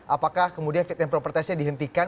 apakah kemudian fit and proper testnya dihentikan